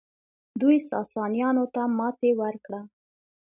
دوی ساسانیانو ته ماتې ورکړه